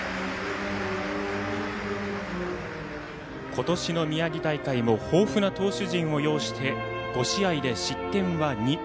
今年の宮城大会も豊富な投手陣を擁して５試合で失点は２。